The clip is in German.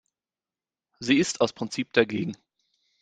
Sie ist aus Prinzip dagegen.